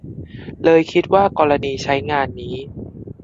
เลยคิดว่ากรณีใช้งานนี้